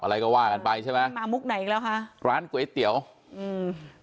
อะไรก็ว่ากันไปใช่ไหมมามุกไหนอีกแล้วคะร้านก๋วยเตี๋ยวอืม